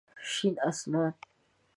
شين اسمان